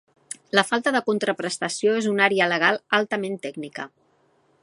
La falta de contraprestació és una àrea legal altament tècnica.